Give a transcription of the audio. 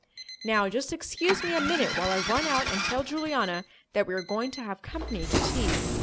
"Now, just excuse me a minute while I run out and tell Juliana that we are going to have company to tea.